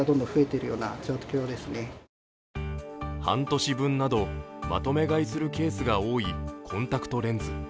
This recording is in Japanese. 半年分などまとめ買いするケースが多いコンタクトレンズ。